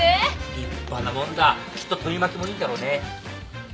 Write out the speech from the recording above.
立派なもんだきっと取り巻きもいいんだろうね。